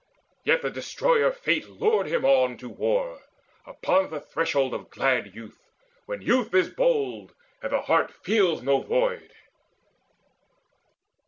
Yet the Destroyer Fate had lured him on To war, upon the threshold of glad youth, When youth is bold, and the heart feels no void.